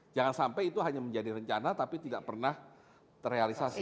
jangan sampai itu hanya menjadi rencana tapi tidak pernah terrealisasi